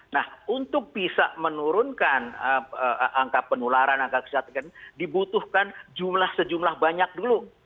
nah untuk bisa menurunkan angka penularan angka kesehatan ini dibutuhkan jumlah sejumlah banyak dulu